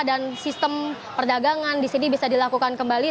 dan sistem perdagangan disini bisa dilakukan kembali